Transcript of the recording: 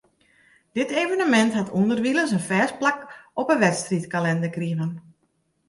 Dit evenemint hat ûnderwilens in fêst plak op 'e wedstriidkalinder krigen.